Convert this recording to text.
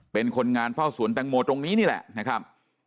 เป็นคนงานเฝ้าสวนแตงโมตรงนี้นี่แหละนะครับ